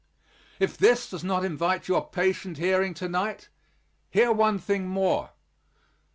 If this does not invite your patient hearing to night hear one thing more.